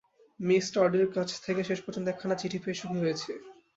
Me স্টার্ডির কাছ থেকে শেষ পর্যন্ত একখানা চিঠি পেয়ে সুখী হয়েছি।